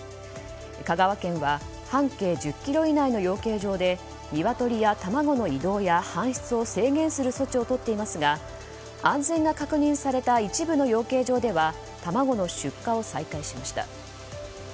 香川県は半径１０ｋｍ以内の養鶏場でニワトリや卵の移動や搬出を制限する措置をとっていますが安全が確認された一部の養鶏場では卵の出荷を再開しました。